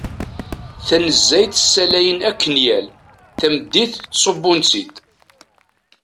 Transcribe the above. Tanezzayt ssalayen akenyal; tameddit ttsubbun-t-id.